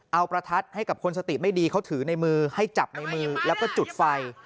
เอาประทัดให้กับคนสติไม่ดีเขาถือในมือให้จับในมือแล้วก็จุดไฟ